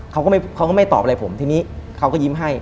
เขาก็ไม่ตอบอะไรผมทีนี้เขาก็ยิ้มให้